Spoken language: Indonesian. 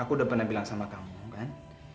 aku udah pernah bilang sama kamu kan